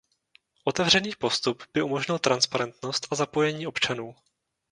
Otevřený postup by umožnil transparentnost a zapojení občanů.